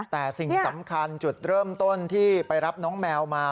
แต่สิ่งสำคัญจุดเริ่มต้นที่ไปรับน้องแมวมา